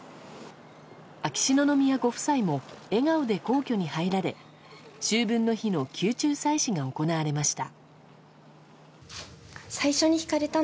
秋篠宮ご夫妻も笑顔で皇居に入られ秋分の日の宮中祭祀が行われました。